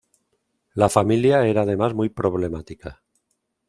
La familia era además muy problemática.